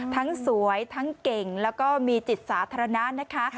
ทั้งสวยทั้งเก่งแล้วก็มีจิตสาธารณะนะคะ